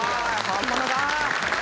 本物だ。